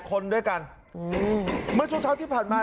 คนด้วยกันเมื่อช่วงเช้าที่ผ่านมา